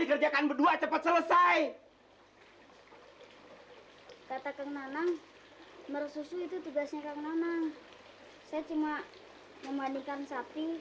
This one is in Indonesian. cerewet bener boy kamu itu dasar sapi